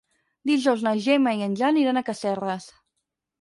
Dijous na Gemma i en Jan iran a Casserres.